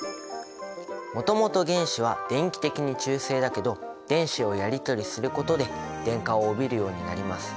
もともと原子は電気的に中性だけど電子をやりとりすることで電荷を帯びるようになります。